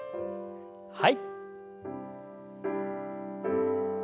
はい。